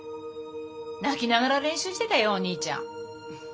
泣きながら練習してたよお兄ちゃん。